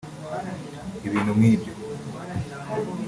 Ibintu nkibyo